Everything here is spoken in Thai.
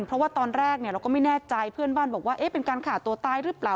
เพราะว่าตอนแรกเราก็ไม่แน่ใจเพื่อนบ้านบอกว่าเป็นการฆ่าตัวตายหรือเปล่า